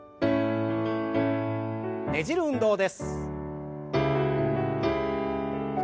ねじる運動です。